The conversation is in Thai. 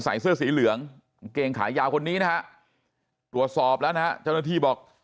ใส่เสื้อสีเหลืองกางเกงขายาวคนนี้นะฮะตรวจสอบแล้วนะฮะเจ้าหน้าที่บอก